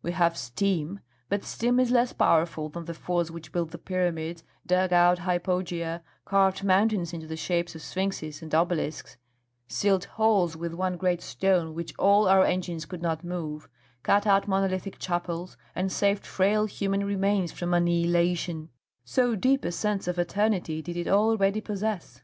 We have steam, but steam is less powerful than the force which built the Pyramids, dug out hypogea, carved mountains into the shapes of sphinxes and obelisks, sealed halls with one great stone which all our engines could not move, cut out monolithic chapels, and saved frail human remains from annihilation, so deep a sense of eternity did it already possess."